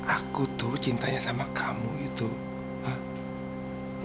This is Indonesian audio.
aku tuh cintanya sama kamu itu